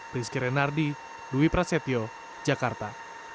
rizky renardi dwi prasetyo jakarta